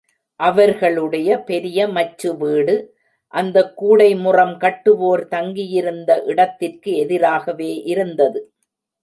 அவர்களுடைய பெரிய மச்சு வீடு அந்தக் கூடை முறம் கட்டுவோர் தங்கியிருந்த இடத்திற்கு எதிராகவே இருந்தது.